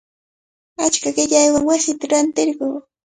Achka qillaywanmi wasita rantirquu.